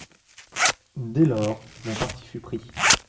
Dès lors, mon parti fut pris.